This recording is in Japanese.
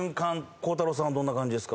孝太郎さんはどんな感じですか？